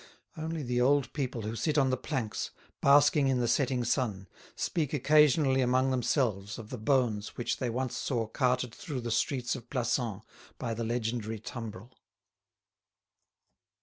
Only the old people who sit on the planks, basking in the setting sun, speak occasionally among themselves of the bones which they once saw carted through the streets of Plassans by the legendary tumbrel.